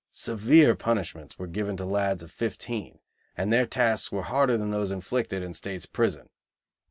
Severe punishments were given to lads of fifteen, and their tasks were harder than those inflicted in State's prison.